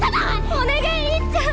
お願いりっちゃん！